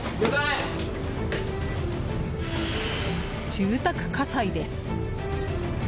住宅火災です。